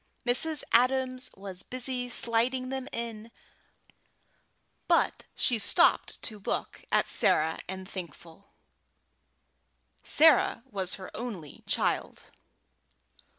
Mrs. Adams was busy sliding them in, but she stopped to look at Sarah and Thankful. Sarah was her only child.